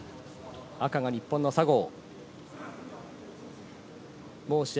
赤が日本の佐合。